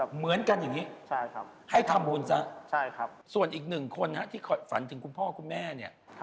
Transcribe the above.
เหมือนกันอย่างนี้ให้ทำบุญซะส่วนอีกหนึ่งคนที่ฝันถึงคุณพ่อคุณแม่เนี่ย